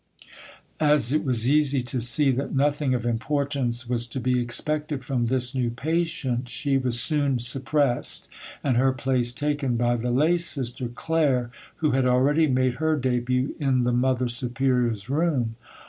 As it was easy to see that nothing of importance was to be expected from this new patient, she was soon suppressed, and her place taken by the lay sister Claire who had already made her debut in the mother superior's room.